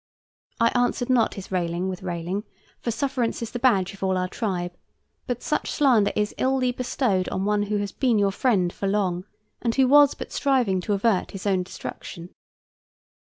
I answered not his railing with railing, for sufferance is the badge of all our tribe, but such slander is illy bestowed on one who has been your friend for long, and who was but striving to avert his own destruction.